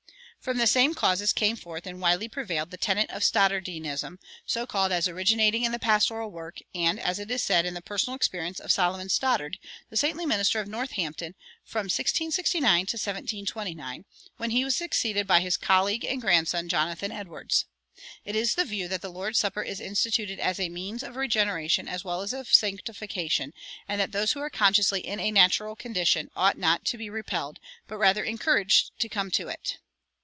From the same causes came forth, and widely prevailed, the tenet of "Stoddardeanism," so called as originating in the pastoral work, and, it is said, in the personal experience, of Solomon Stoddard, the saintly minister of Northampton from 1669 till 1729, when he was succeeded by his colleague and grandson, Jonathan Edwards. It is the view that the Lord's Supper is instituted as a means of regeneration as well as of sanctification, and that those who are consciously "in a natural condition" ought not to be repelled, but rather encouraged to come to it.